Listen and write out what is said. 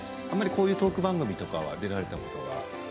あまり、こういうトーク番組とかは出られたことは。